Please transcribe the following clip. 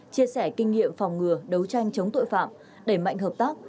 chia sẻ kinh nghiệm phòng ngừa đấu tranh chống tội phạm đẩy mạnh hợp tác